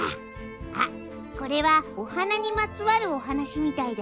あっこれはお花にまつわるお話みたいだよ。